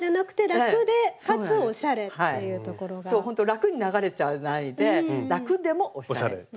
楽に流れちゃわないで楽でもおしゃれ。